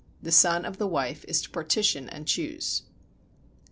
The son of the wife is to partition and choose.